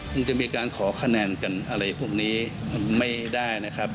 มันจะมีการขอคะแนนกันอะไรพวกนี้ไม่ได้นะครับ